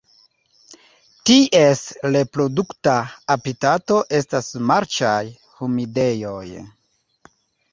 Ties reprodukta habitato estas marĉaj humidejoj.